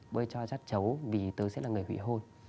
bơi cho chát chấu vì tớ sẽ là người hủy hôn